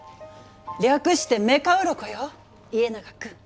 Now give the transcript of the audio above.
略してメカウロコよ家長君。